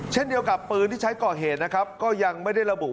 เช่นเดียวกับปืนที่ใช้ก่อเหตุนะครับก็ยังไม่ได้ระบุ